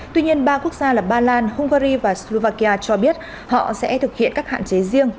tuy nhiên ba quốc gia là ba lan hungary và slovakia cho biết họ sẽ thực hiện các hạn chế riêng